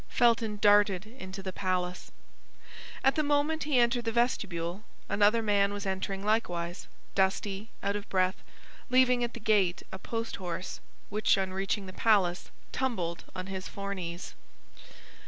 Felton darted into the palace. At the moment he entered the vestibule, another man was entering likewise, dusty, out of breath, leaving at the gate a post horse, which, on reaching the palace, tumbled on his foreknees.